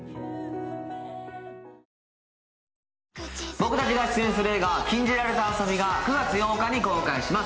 僕たちが出演する映画「禁じられた遊び」が９月８日に公開します。